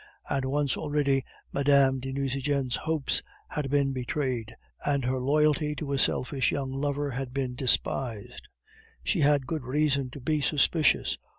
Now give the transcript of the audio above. And once already Mme. de Nucingen's hopes had been betrayed, and her loyalty to a selfish young lover had been despised. She had good reason to be suspicious.